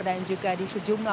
dan juga di sejumlah